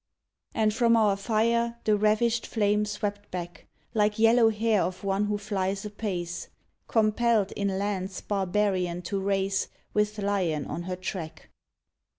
And from our fire the ravished flame swept back, Like yellow hair of one who flies apace, Compelled in lands barbarian to race With lions on her track.